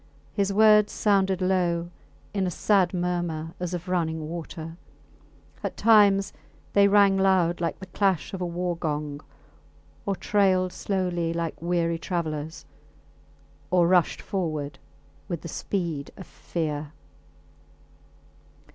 His words sounded low, in a sad murmur as of running water; at times they rang loud like the clash of a war gong or trailed slowly like weary travellers or rushed forward with the speed of fear.